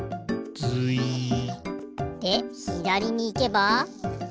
ズイッ。でひだりにいけば。